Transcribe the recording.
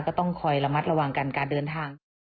ก็ต้องคอยระมัดระวังกันการเดินทาง